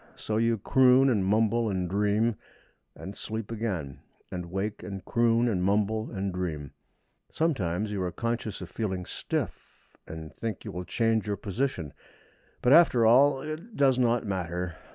So you croon, and mumble, and dream, and sleep again; and wake, and croon, and mumble, and dream. Sometimes you are conscious of feeling stiff, and think you will change your position; but, after all, it does not matter.